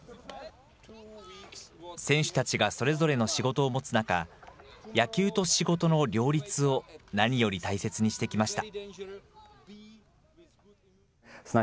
選手たちがそれぞれの仕事を持つ中、野球と仕事の両立を何より大切にしてきました。